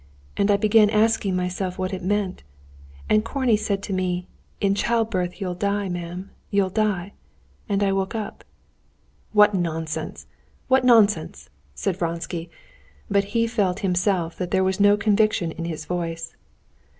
And I began asking myself what it meant. And Korney said to me: 'In childbirth you'll die, ma'am, you'll die....' And I woke up." "What nonsense, what nonsense!" said Vronsky; but he felt himself that there was no conviction in his voice.